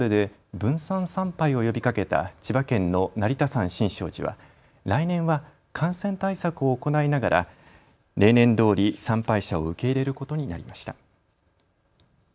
分散参拝を呼びかけた千葉県の成田山新勝寺は来年は感染対策を行いながら例年どおり参拝者を受け入れることになりました。